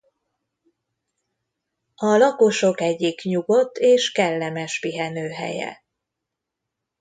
A lakosok egyik nyugodt és kellemes pihenőhelye.